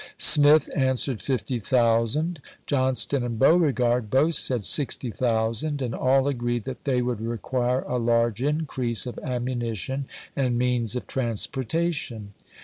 Smith answered " fifty thousand "; Johnston and Beauregard both johnst^^n. ^^id "sixty thousand"; and all agi'eed that they ofMuuary would requu'e a large increase of ammunition and tioS""r76. means of transportation.